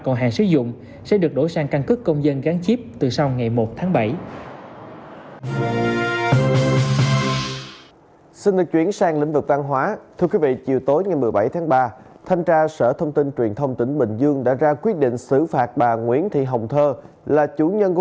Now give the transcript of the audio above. còn hạn sử dụng sẽ được đổi sang căn cước công dân gắn chip từ sau ngày một tháng bảy